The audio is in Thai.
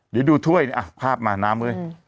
เดี๋ยวดูถ้วยเนี่ยภาพมาน้ำเฮ้ย